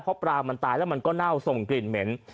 เพราะปลามันตายแล้วมันก็เน่าส่งกลิ่นเหม็น